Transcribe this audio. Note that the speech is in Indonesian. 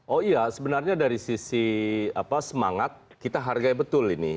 oh iya sebenarnya dari sisi semangat kita hargai betul ini